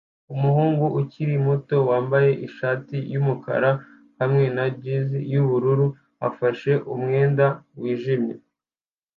Umuhungu ukiri muto wambaye ishati yumukara hamwe na jans yubururu afashe umwenda wijimye